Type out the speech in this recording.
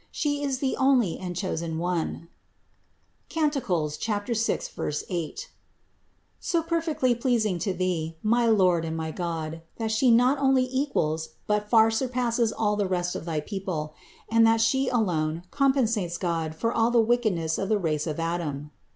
She is the only and chosen One (Cant. 6, 8), so perfectly pleas ing to Thee, my Lord and my God, that She not only equals but far surpasses all the rest of thy people; and that She alone compensates God for all the wickedness of the race of Adam.